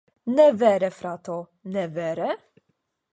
Ne vere, frato, ne vere?